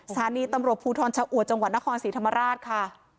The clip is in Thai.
สถานีตำรวจภูทรชะอวดจังหวัดนครศรีธรรมราชค่ะ